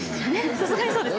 さすがにそうです。